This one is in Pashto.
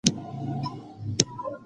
د لمر وړانګو د ثمر ګل مخ سوځولی و.